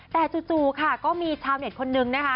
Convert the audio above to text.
แต่จู่ค่ะก็มีชาวเน็ตคนนึงนะคะ